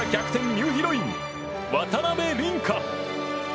ニューヒロイン渡辺倫果。